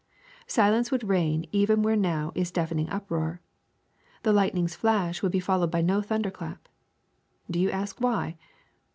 Silence would reign even where now is deafening uproar; the lightning's flash would be followed by no thunder clap. Do you ask why?